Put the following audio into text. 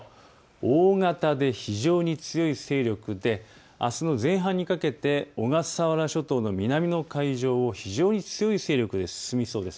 大型で非常に強い勢力であすの前半にかけて小笠原諸島の南の海上を非常に強い勢力で進みそうです。